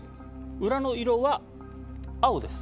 裏の色は青です。